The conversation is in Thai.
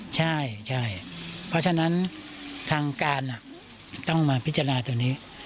ใช่เพราะฉะนั้นทางการต้องมาพิจารณาตัวนี้